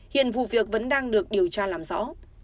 hiện vụ việc vẫn đang được điều tra làm rõ